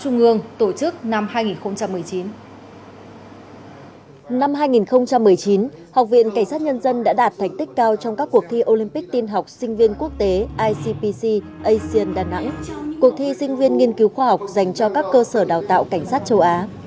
năm hai nghìn một mươi chín học viện cảnh sát nhân dân đã đạt thành tích cao trong các cuộc thi olympic tin học sinh viên quốc tế icpc asian đà nẵng cuộc thi sinh viên nghiên cứu khoa học dành cho các cơ sở đào tạo cảnh sát châu á